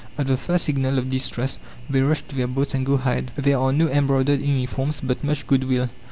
At the first signal of distress they rush to their boats, and go ahead. There are no embroidered uniforms, but much goodwill.